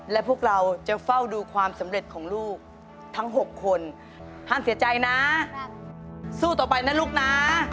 และพวกเราจะเฝ้าดูความสำเร็จของลูกทั้ง๖คนห้ามเสียใจนะสู้ต่อไปนะลูกนะ